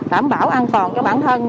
đảm bảo an toàn cho bản thân